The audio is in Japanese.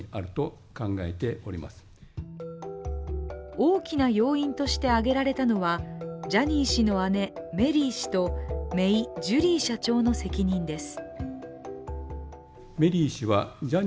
大きな要因として挙げられたのは、ジャニー氏の姉、メリー氏とめい・ジュリー社長の責任です。